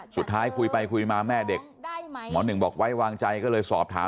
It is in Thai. สุดท้ายคุยไปคุยมาแม่เด็กได้ไหมหมอหนึ่งบอกไว้วางใจก็เลยสอบถาม